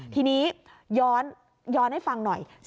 ทีนี้ย้อนให้ฟังหน่อย